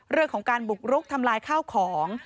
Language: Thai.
เรื่องของการบุกรุกทำลายข้าวของ